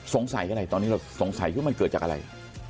อะไรตอนนี้เราสงสัยคือมันเกิดจากอะไร